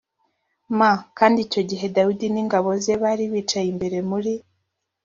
m kandi icyo gihe dawidi n ingabo ze bari bicaye imbere muri